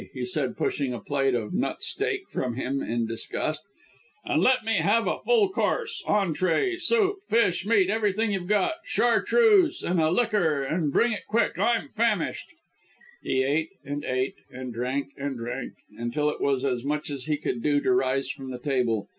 he said, pushing a plate of nut steak from him in disgust, "and let me have a full course entrée, soup, fish, meat, everything you've got chartreuse and a liqueur, and bring it quick I'm famished." He ate and ate, and drank and drank, until it was as much as he could do to rise from the table.